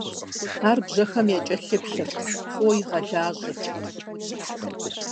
Ар бжьэхэм якӀэлъыплъырт, фӀыуэ игъэлажьэхэрт.